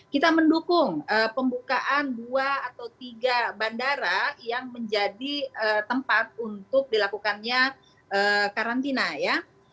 kita mendukung pembukaan dua atau tiga bandara yang menjadi tempat untuk dilakukannya karantina ya